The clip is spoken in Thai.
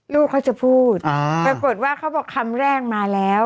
ลูกเขาจะพูดปรากฏว่าเขาบอกคำแรกมาแล้ว